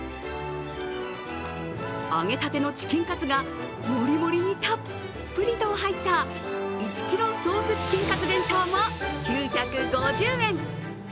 揚げたてのチキンカツがもりもりにたっぷりと入った１キロソースチキンカツ弁当も９５０円。